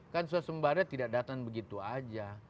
kan suasembada tidak datang begitu saja